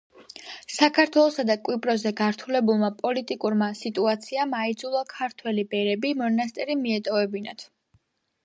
საქართველოსა და კვიპროსზე გართულებულმა პოლიტიკურმა სიტუაციამ აიძულა ქართველი ბერები მონასტერი მიეტოვებინათ.